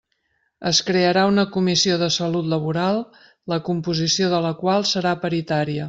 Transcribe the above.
Es crearà una comissió de salut laboral la composició de la qual serà paritària.